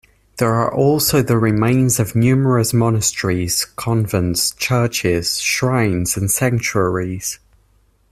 There are also the remains of numerous monasteries, convents, churches, shrines and sanctuaries.